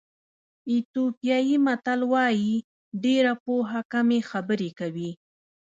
ایتیوپیایي متل وایي ډېره پوهه کمې خبرې کوي.